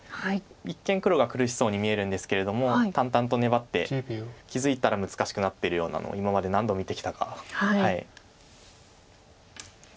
一見黒が苦しそうに見えるんですけれども淡々と粘って気付いたら難しくなってるようなのを今まで何度見てきたか。